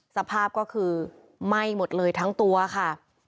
สภาพก็คือไหม้หมดเลยทั้งตัวค่ะ